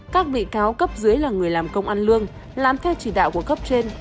các bị cáo cấp dưới là người làm công ăn lương làm theo chỉ đạo của cấp trên